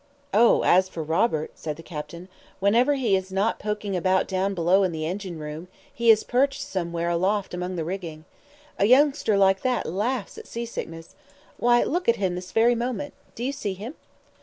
"Oh, as for Robert," said the captain, "whenever he is not poking about down below in the engine room, he is perched somewhere aloft among the rigging. A youngster like that laughs at sea sickness. Why, look at him this very moment! Do you see him?"